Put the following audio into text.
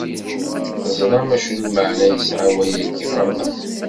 Teẓram acu lmeɛna yesɛa wayagi ɣer-neɣ?